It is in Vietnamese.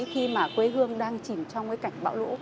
khi mà quê hương đang chìm trong cái cảnh bão lũ